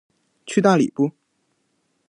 去大理不